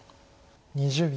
２０秒。